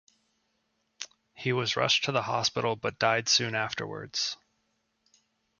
He was rushed to the hospital but died soon afterwards.